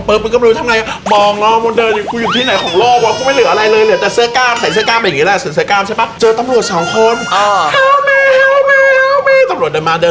เปิ้ลก็ไม่รู้จะทำยังไง